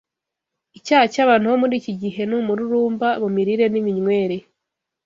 Icyaha cy’abantu bo muri iki gihe ni umururumba mu mirire n’iminywere